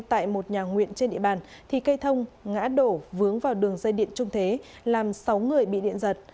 tại một nhà nguyện trên địa bàn thì cây thông ngã đổ vướng vào đường dây điện trung thế làm sáu người bị điện giật